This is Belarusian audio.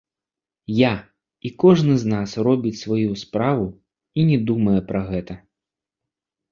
Я, і кожны з нас, робіць сваю справу і не думае пра гэта.